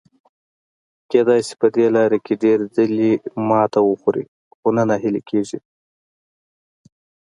کېدای شي په دې لاره کې ډېر ځلي ماتې وخوري، خو نه ناهیلي کیږي.